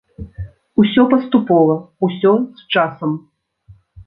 Усё паступова, усё з часам.